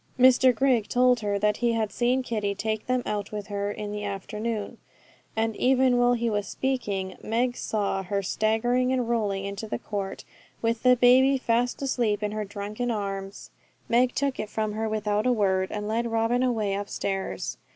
Mr Grigg told her that he had seen Kitty take them out with her in the afternoon; and even while he was speaking, Meg saw her staggering and rolling into the court, with the baby fast asleep in her drunken arms. Meg took it from her without a word, and led Robin away upstairs.